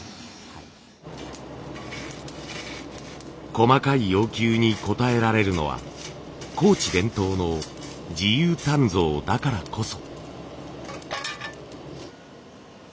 細かい要求に応えられるのは高知伝統の自由鍛造だからこそ。